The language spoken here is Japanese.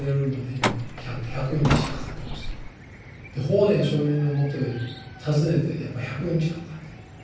法然上人のもとへ訪ねてやっぱり１００日かかってるんです。